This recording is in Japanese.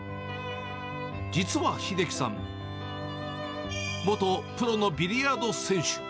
実は英樹さん、元プロのビリヤード選手。